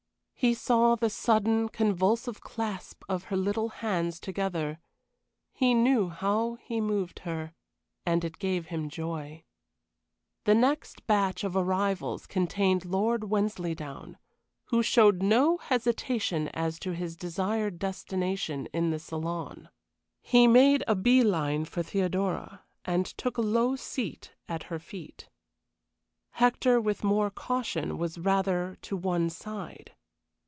He saw the sudden, convulsive clasp of her little hands together; he knew how he moved her, and it gave him joy. The next batch of arrivals contained Lord Wensleydown, who showed no hesitation as to his desired destination in the saloon. He made a bee line for Theodora, and took a low seat at her feet. Hector, with more caution, was rather to one side.